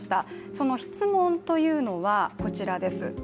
その質問というのはこちらです。